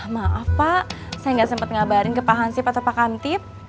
maaf pak saya nggak sempat ngabarin ke pak hansip atau pak kantip